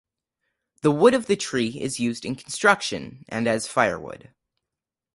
The wood of the tree is used in construction and as firewood.